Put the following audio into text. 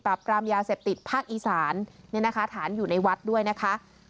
ปรับกรามยาเสพติดภาคอีสานฐานอยู่ในวัดด้วยนะคะ